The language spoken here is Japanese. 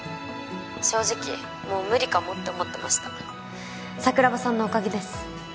☎正直もう無理かもって思ってました桜庭さんのおかげです